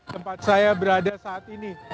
tempat saya berada saat ini